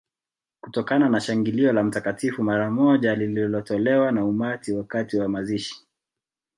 Kutokana na shangilio la Mtakatifu mara moja lililotolewa na umati wakati wa mazishi